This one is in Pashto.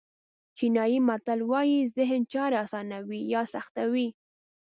چینایي متل وایي ذهن چارې آسانوي یا سختوي.